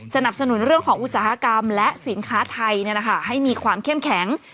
สนับสนุนเรื่องของอุตสาหกรรมและสินค้าไทยให้มีความเข้มแข็ง